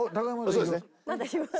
そうですね。